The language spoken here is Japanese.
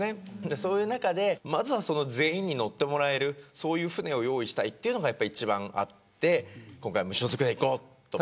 そういう中でまずは全員に乗ってもらえるそういう船を用意したいというのが一番あって今回、無所属でいこうと。